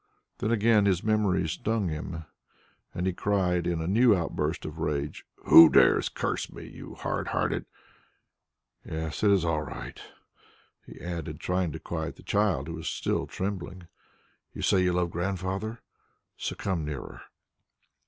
Then again his memories stung him and he cried in a new outburst of rage, "Who dares curse us. You hard hearted Yes, it is all right," he added, trying to quiet the child who was still trembling. "You say you love Grandfather; so come nearer."